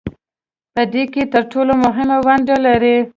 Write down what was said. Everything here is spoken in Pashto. په دې کې تر ټولو مهمه ونډه لري